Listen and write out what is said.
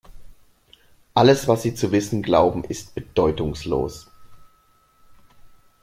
Alles, was Sie zu wissen glauben, ist bedeutungslos.